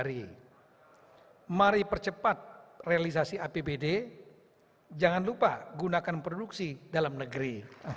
realisasi apbd jangan lupa gunakan produksi dalam negeri